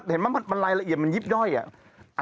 เห็นไหมมันรายละเอียดมันยิบย่อยอ่ะ